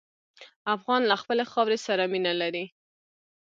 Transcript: افغان له خپلې خاورې سره مینه لري.